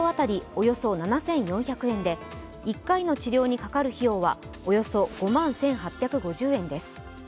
およそ７４００円で１回の治療にかかる費用はおよそ５万１８５０円です。